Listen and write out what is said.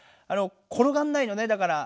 ころがんないのねだから。